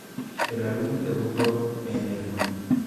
El álbum debutó en el no.